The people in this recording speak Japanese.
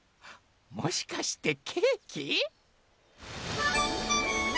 もしかしてケーキ？